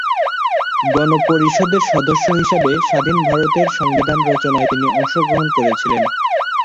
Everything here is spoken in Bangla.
গণ পরিষদের সদস্য হিসাবে স্বাধীন ভারতের সংবিধান রচনায় তিনি অংশগ্রহণ করেছিলেন।